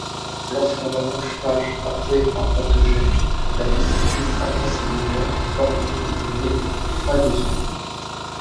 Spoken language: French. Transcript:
Lorsqu’un macrophage ingère un pathogène, la vésicule intracellulaire formée est nommée phagosome.